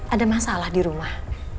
ada masalah dirumah